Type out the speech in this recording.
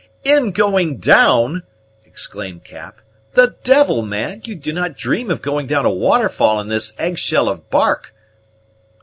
"In going down!" exclaimed Cap. "The devil, man! you do not dream of going down a waterfall in this egg shell of bark!"